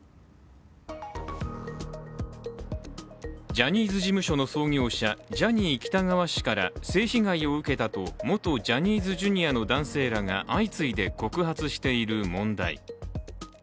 ジャニーズ事務所の創業者ジャニー喜多川氏から性被害を受けたと元ジャニーズＪｒ．男性らが相次いで告発している問題。